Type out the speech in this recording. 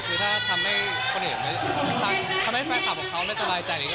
คือถ้าทำให้คนอื่นทำให้แฟนคลับของเขาไม่สบายใจอย่างนี้